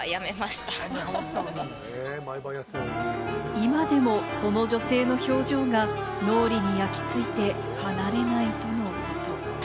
今でもその女性の表情が脳裏に焼き付いて離れないとのこと。